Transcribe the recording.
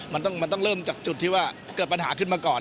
มันต้องเริ่มจากจุดที่ว่าเกิดปัญหาขึ้นมาก่อน